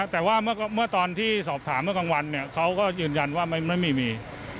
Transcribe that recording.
แต่ว่าเมื่อตอนที่สอบถามเมื่อกลางวันเขาก็ยืนยันว่าไม่มี